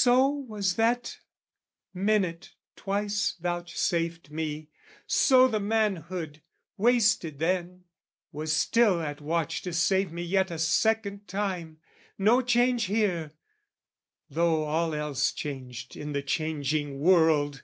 So was that minute twice vouchsafed me, so The manhood, wasted then, was still at watch To save me yet a second time: no change Here, though all else changed in the changing world!